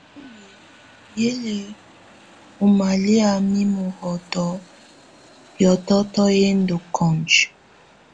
Túóli yɔ́ lɛ ɔ malɛ̀á nimǝ́ ɔhɔtɔ, hiɔtɔtɔ hɛ ndɔ kɔnjɔ.